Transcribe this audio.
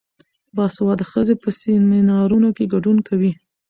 باسواده ښځې په سیمینارونو کې ګډون کوي.